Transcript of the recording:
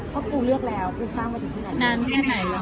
เพราะกูเลือกแล้วกูสร้างวันนี้ที่ไหน